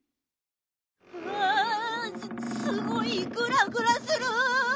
うわすごいグラグラする。